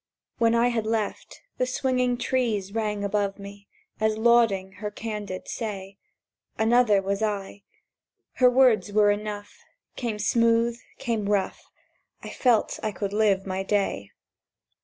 —When I had left, and the swinging trees Rang above me, as lauding her candid say, Another was I. Her words were enough: Came smooth, came rough, I felt I could live my day.